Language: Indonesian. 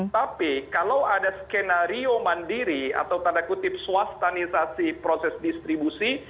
tapi kalau ada skenario mandiri atau tanda kutip swastanisasi proses distribusi